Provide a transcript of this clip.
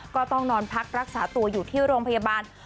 ก็ต้องนอนพักรักษาตัวอยู่ที่โรงพยาบาล